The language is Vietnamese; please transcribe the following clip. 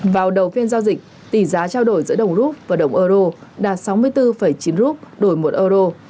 vào đầu phiên giao dịch tỷ giá trao đổi giữa đồng rút và đồng euro đạt sáu mươi bốn chín rút đổi một euro